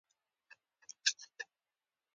د تجربوي ژبارواپوهنې تاریخ اتلسمې پیړۍ ته ورګرځي